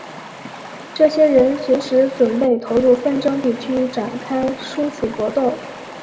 这些人随时准备投入纷争地区展开殊死格斗。